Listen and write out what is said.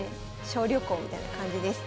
小旅行みたいな感じです。